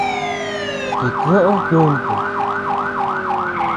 Chikiö yuntum.